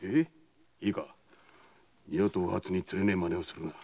いいか二度とお初につれねえ真似をするな。